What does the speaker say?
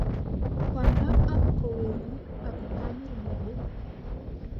Kwanda ak ko Werit, ak ko Tamirmiriet,